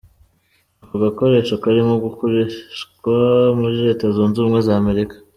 Ako gakoresho karimo kugurishwa muri Leta Zunze Ubumwe za Amerika.